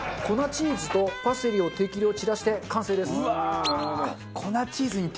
粉チーズとパセリを適量散らして完成です。